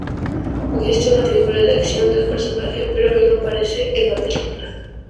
Existe una figura de acción del personaje pero el no aparece en la película